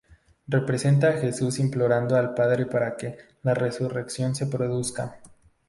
Representa a Jesús implorando al Padre para que la Resurrección se produzca.